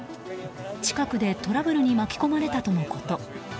近くでトラブルに巻き込まれたとのこと。